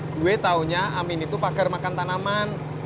gue taunya amin itu pagar makan tanaman